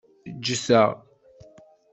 Ǧǧet-aɣ.